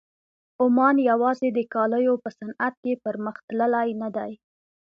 عمان یوازې د کالیو په صنعت کې پرمخ تللی نه دی.